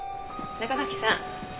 中垣さん。